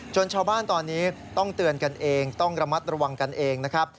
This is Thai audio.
ชาวบ้านตอนนี้ต้องเตือนกันเองต้องระมัดระวังกันเองนะครับ